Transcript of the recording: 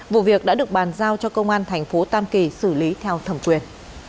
vụ việc đã được bàn giao cho công an thành phố tam kỳ xử lý theo thẩm quyền